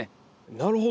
なるほど。